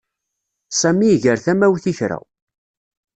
Sami iger tamawt i kra.